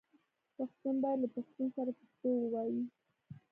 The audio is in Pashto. پښتون باید له پښتون سره پښتو ووايي